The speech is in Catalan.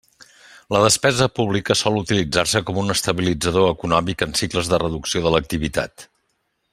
La despesa pública sol utilitzar-se com un estabilitzador econòmic en cicles de reducció de l'activitat.